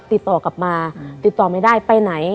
ติดต่อกลับมาติดต่อไม่ได้ไปไหน